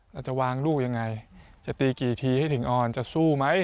เราจะวางลูกยังไงจะตีกี่ทีให้ถึงออนจะสู้ไหม